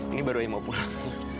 ini baru aja mau pulang